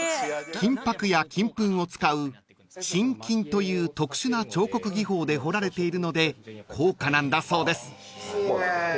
［金箔や金粉を使う沈金という特殊な彫刻技法で彫られているので高価なんだそうです］